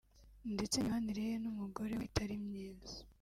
ndetse n’imibanre ye n’umugore we itari myiza